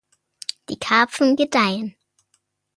Die Karpfen gedeihen.